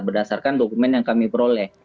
berdasarkan dokumen yang kami peroleh